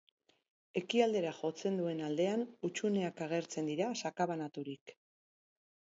Ekialdera jotzen duen aldean hutsuneak agertzen dira sakabanaturik.